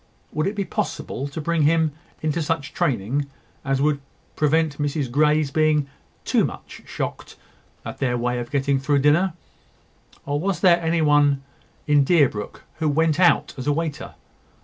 Would it be possible to bring him into such training as would prevent Mrs Grey's being too much shocked at their way of getting through dinner? Or was there any one in Deerbrook who went out as a waiter?